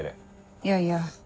いやいや。